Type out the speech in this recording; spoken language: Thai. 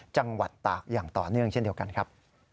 จังหวัดตากอย่างต่อเนื่องเช่นเดียวกันครับ